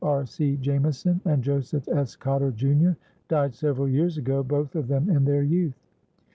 R. C. Jamison and Joseph S. Cotter, Jr., died several years ago, both of them in their youth.